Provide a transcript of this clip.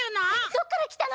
どっからきたの？